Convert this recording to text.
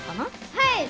はい。